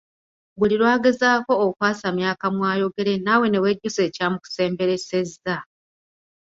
Buli lwagezaako okwasamya akamwa ayogere naawe ne wejjusa ekyamukusemberesezza.